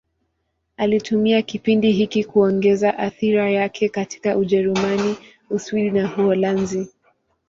Alitumia kipindi hiki kuongeza athira yake katika Ujerumani, Uswisi na Uholanzi.